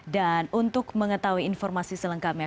dan untuk mengetahui informasi selengkapnya